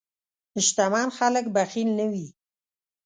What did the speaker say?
شتمن خلک بخیل نه وي.